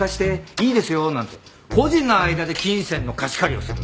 「いいですよ」なんて個人の間で金銭の貸し借りをする。